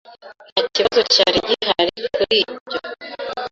Nta kibazo cyari gihari kuri ibyo.